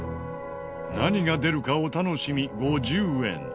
何が出るかお楽しみ５０円。